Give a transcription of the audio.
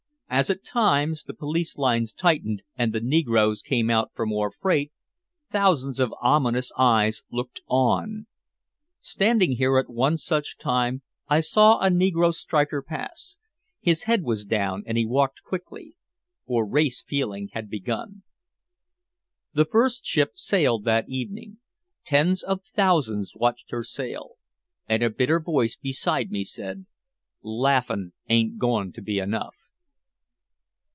As at times the police lines tightened and the negroes came out for more freight, thousands of ominous eyes looked on. Standing here at one such time, I saw a negro striker pass. His head was down and he walked quickly for race feeling had begun. The first ship sailed that evening. Tens of thousands watched her sail. And a bitter voice beside me said, "Laughing ain't going to be enough."